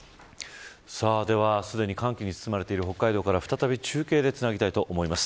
すでに寒気に包まれている北海道から再び中継でつなげたいと思います。